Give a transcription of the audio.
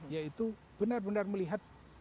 yaitu benar benar melihat